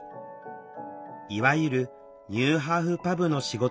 いわゆるニューハーフパブの仕事に就いた。